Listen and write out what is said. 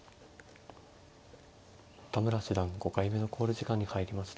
田村七段５回目の考慮時間に入りました。